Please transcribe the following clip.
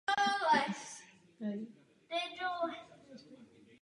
S těmito návrhy v zásadě nesouhlasíme.